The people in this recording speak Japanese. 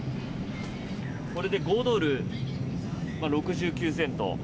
これで５ドル６９セント。